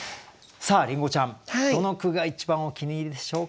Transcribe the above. さありんごちゃんどの句が一番お気に入りでしょうか？